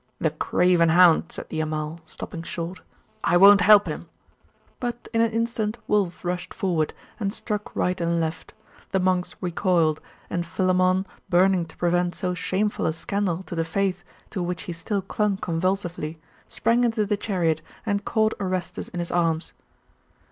The craven hound!' said the Amal, stopping short, 'I won't help him!' But in an instant Wulf rushed forward, and struck right and left; the monks recoiled, and Philammon, burning to prevent so shameful a scandal to the faith to which he still clung convulsively, sprang into the chariot and caught Orestes in his arms.